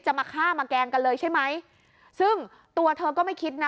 มาฆ่ามาแกล้งกันเลยใช่ไหมซึ่งตัวเธอก็ไม่คิดนะ